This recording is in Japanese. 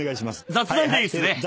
雑談でいいっすね。